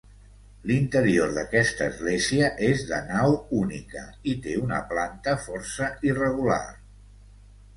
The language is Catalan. L'interior d'aquesta església és de nau única i té una planta força irregular.